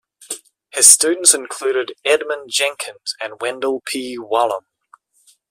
His students included Edmund Jenkins and Wendell P. Whalum.